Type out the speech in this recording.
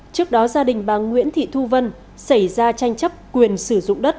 trước đó gia đình bà nguyễn thị thu vân xảy ra tranh chấp quyền sử dụng đất